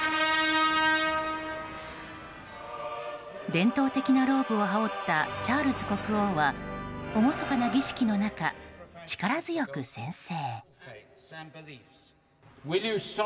伝統的なローブを羽織ったチャールズ国王は厳かな儀式の中、力強く宣誓。